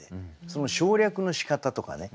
その省略のしかたとかね